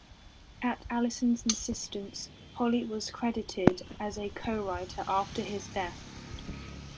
At Allison's insistence, Holly was credited as a co-writer after his death.